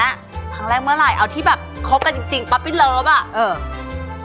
ครั้งแรกเมื่อไหร่เอาที่แบบคบกันจริงจริงป๊อปปี้เลิฟอ่ะเออ